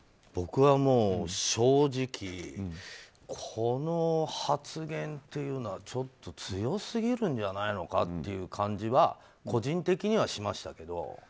僕は正直この発言っていうのはちょっと強すぎるんじゃないのかっていう感じは個人的にはしましたけど。